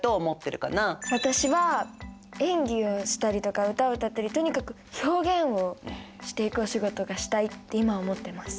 私は演技をしたりとか歌を歌ったりとにかく表現をしていくお仕事がしたいって今思ってます。